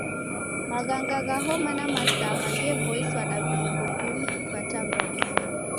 Maghanga gha homa na masama gheboiswa na vilungo vimu va tangauzi.